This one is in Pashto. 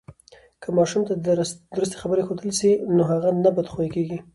که ماشوم ته درستی خبرې وښودل سي، نو هغه نه بد خویه کیږي.